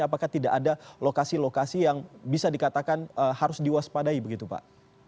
apakah tidak ada lokasi lokasi yang bisa dikatakan harus diwaspadai begitu pak